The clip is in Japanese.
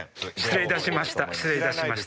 失礼いたしました。